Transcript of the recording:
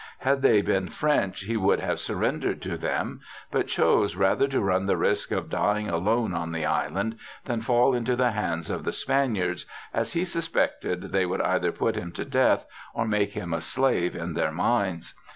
Had they been French he would have surrendered to them ; but chose rather to run the risk of dying alone on the island than fall into the hands of the Spaniards, as he suspected they would either put him to death, or make him a slave in their mines.